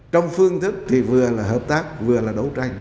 trong phương thức thì vừa là hợp tác vừa là đấu tranh